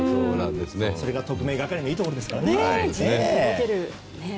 それが特命係のいいところですからね。